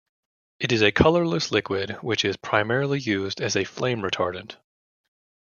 It is a colourless liquid which is primarily used as a flame retardant.